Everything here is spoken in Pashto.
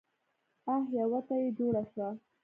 اح يوه تې جوړه شوه.